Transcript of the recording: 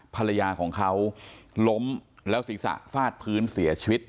ภรรยาของเขาล้มแล้วศีรษะฟาดพื้นเสียชีวิต